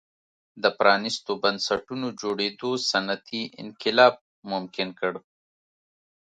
د پرانیستو بنسټونو جوړېدو صنعتي انقلاب ممکن کړ.